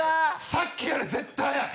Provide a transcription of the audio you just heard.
さっきより絶対速い。